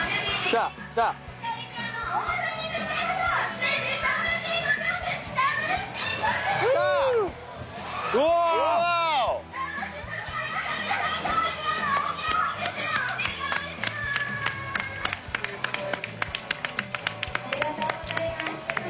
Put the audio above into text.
「ありがとうございます」